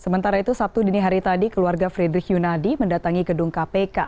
sementara itu sabtu dini hari tadi keluarga frederick yunadi mendatangi gedung kpk